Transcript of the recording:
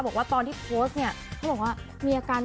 บอกว่าตอนที่โพสต์เนี่ยเขาบอกว่ามีอาการ